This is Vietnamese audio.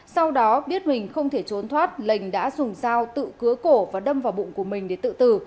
sau đó biết mình không thể trốn thoát lệnh đã dùng dao tự cứa cổ và đâm vào bụng của mình để tự tử